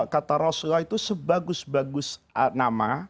kata rasulullah itu sebagus bagus nama